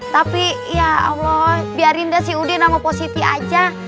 tapi ya allah biarin deh si udin sama mpo siti aja